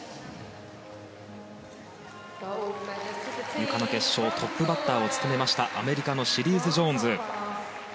ゆかの決勝トップバッターを務めましたアメリカのシリーズ・ジョーンズ。